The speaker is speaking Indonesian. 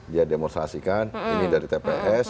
dia demonstrasikan ini dari tps